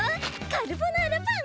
カルボナーラパン！